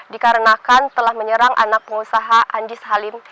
dikarenakan telah menyerang anak pengusaha andis halim